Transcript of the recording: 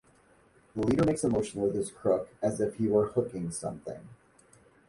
The leader makes a motion with his crook as if he were hooking something.